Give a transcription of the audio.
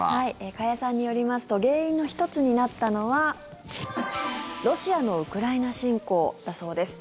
加谷さんによりますと原因の１つになったのはロシアのウクライナ侵攻だそうです。